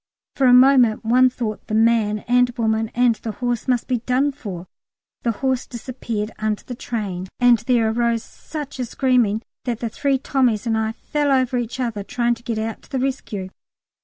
For the moment one thought the man and woman and the horse must be done for; the horse disappeared under the tram, and there arose such a screaming that the three Tommies and I fell over each other trying to get out to the rescue.